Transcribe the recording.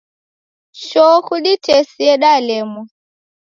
Choo kuditesie, dalemwa